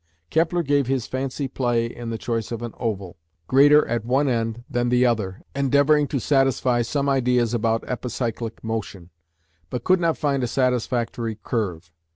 Kepler gave his fancy play in the choice of an oval, greater at one end than the other, endeavouring to satisfy some ideas about epicyclic motion, but could not find a satisfactory curve.